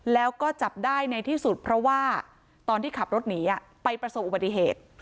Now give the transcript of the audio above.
แล้วก็จับได้ในที่สุดเพราะว่าตอนที่ขับรถหนีไปประสบอุบัติเหตุ